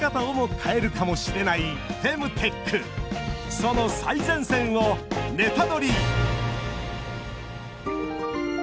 その最前線をネタドリ！